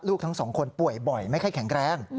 ทั้งสองคนป่วยบ่อยไม่ค่อยแข็งแรง